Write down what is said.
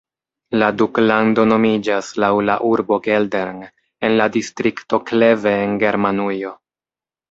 La duklando nomiĝas laŭ la urbo Geldern en la distrikto Kleve en Germanujo.